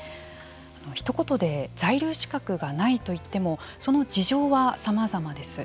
ひと言で在留資格がないといってもその事情はさまざまです。